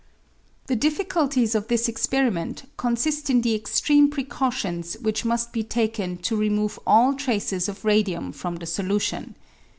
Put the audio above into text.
The difficulties of this experiment consist in the extreme precautions which must be taken to remove all traces of radium from the solution.